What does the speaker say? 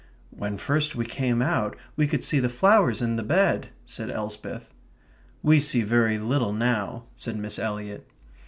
"When first we came out we could see the flowers in that bed," said Elsbeth. "We see very little now," said Miss Eliot.